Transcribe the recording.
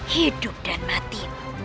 hidup dan mati